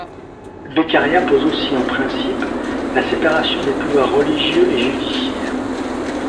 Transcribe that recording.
Beccaria pose aussi en principe la séparation des pouvoirs religieux et judiciaire.